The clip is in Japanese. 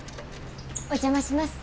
お邪魔します。